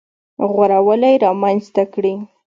غوره والی رامنځته کړي.